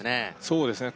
そうですね